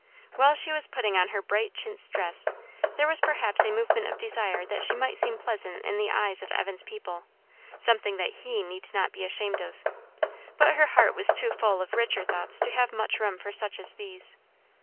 While she was putting on her bright chintz dress, there was perhaps a movement of desire that she might seem pleasant in the eyes of Evan's people something that he need not be ashamed of; but her heart was too full of richer thoughts to have much room for such as these.